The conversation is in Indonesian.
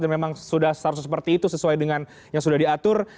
memang sudah seharusnya seperti itu sesuai dengan yang sudah diatur